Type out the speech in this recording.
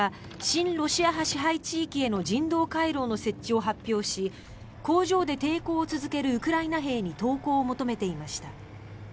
親ロシア派支配地域への人道回廊の設置を発表し工場で抵抗を続けるウクライナ兵に投降を求めていました。